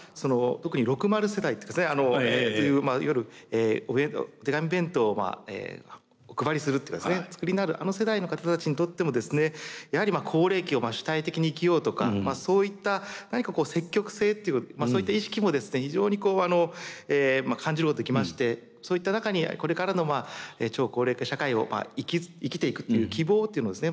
特にロクマル世代いわゆるお手紙弁当をお配りするっていうかですねお作りになるあの世代の方たちにとってもですねやはり高齢期を主体的に生きようとかそういった何か積極性っていうそういった意識もですね非常にこう感じることができましてそういった中にこれからの超高齢化社会を生きていくっていう希望っていうのをですね